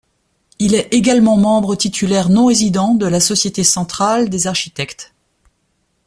Il est également membre titulaire non résident de la Société centrale des architectes.